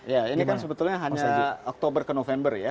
ya ini kan sebetulnya hanya oktober ke november ya